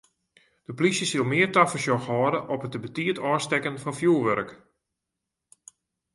De polysje sil mear tafersjoch hâlde op it te betiid ôfstekken fan fjurwurk.